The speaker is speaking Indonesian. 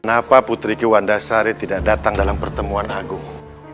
kenapa putri kiwanda sari tidak datang dalam pertemuan agung